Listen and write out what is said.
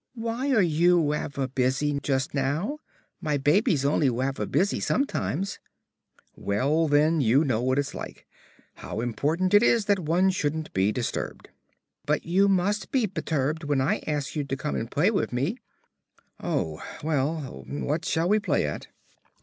"Why are you raver busy just now? My baby's only raver busy sometimes." "Well then, you know what it's like; how important it is that one shouldn't be disturbed." "But you must be beturbed when I ask you to come and play wiv me." "Oh, well ... what shall we play at?"